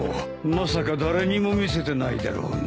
まさか誰にも見せてないだろうね？